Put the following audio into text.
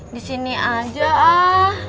disini aja ah